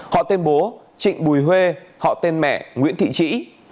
họ tên bố trịnh bùi huê họ tên mẹ nguyễn thị trĩ